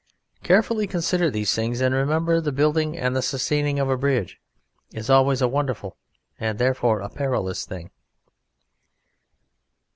Carefully consider these things and remember that the building and the sustaining of a bridge is always a wonderful and therefore a perilous thing.